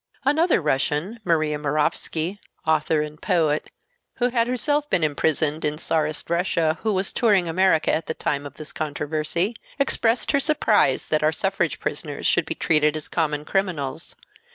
Another Russian, Maria Moravsky, author and poet, who had herself been imprisoned in Czarist Russia and who was touring America at the time of this controversy, expressed her surprise that our suffrage prisoners should be treated as common criminals.